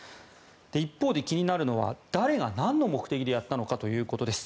一方で気になるのは誰が、なんの目的でやったのかということです。